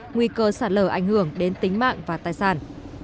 nguy cơ sạt lở ảnh hưởng đến tính mạng và tài sản